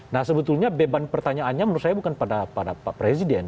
nah sebetulnya beban pertanyaannya menurut saya bukan pada pak presiden